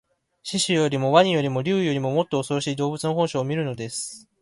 獅子よりも鰐よりも竜よりも、もっとおそろしい動物の本性を見るのです